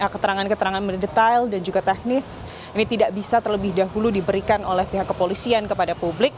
keterangan keterangan mendetail dan juga teknis ini tidak bisa terlebih dahulu diberikan oleh pihak kepolisian kepada publik